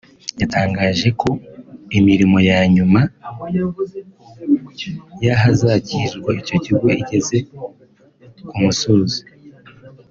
yatangaje ko imirimo ya nyuma y’ahazakirirwa icyo kigo igeze ku musozo